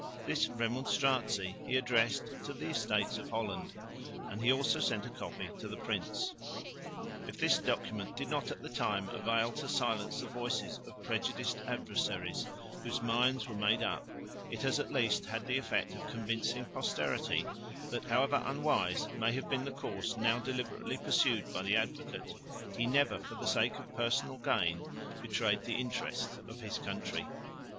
This Remonstratie he addressed to the Estates of Holland, and he also sent a copy to the Prince. If this document did not at the time avail to silence the voices of prejudiced adversaries whose minds were made up, it has at least had the effect of convincing posterity that, however unwise may have been the course now deliberately pursued by the Advocate, he never for the sake of personal gain betrayed the interests of his country.